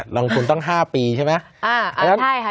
ลงทุนตั้ง๕ปีใช่ไหม